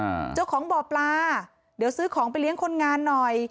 อ่าเจ้าของบ่อปลาเดี๋ยวซื้อของไปเลี้ยงคนงานหน่อย